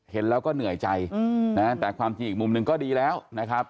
เห็นแล้วก็เหนื่อยใจนะแต่ความจริงอีกมุมหนึ่งก็ดีแล้วนะครับ